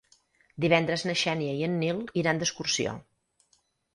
Divendres na Xènia i en Nil iran d'excursió.